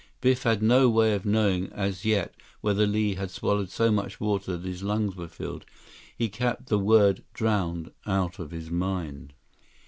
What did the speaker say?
Biff had no way of knowing as yet whether Li had swallowed so much water that his lungs were filled. He kept the word "drowned" out of his mind.